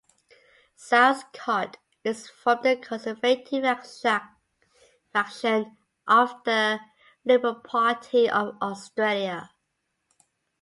Southcott is from the conservative faction of the Liberal Party of Australia.